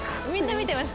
見てます。